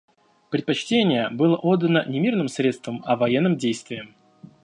Предпочтение было отдано не мирным средствам, а военным действиям.